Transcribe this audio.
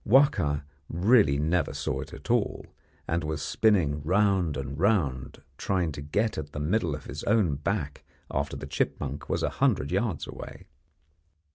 Wahka really never saw it at all, and was spinning round and round trying to get at the middle of his own back after the chipmunk was a hundred yards away.